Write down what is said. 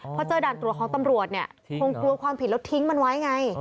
เพราะเจ้าด่านตัวของตำรวจคงกลัวความผิดแล้วทิ้งมันไว้ไง